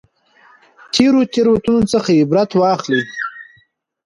د تېرو تېروتنو څخه عبرت واخلئ.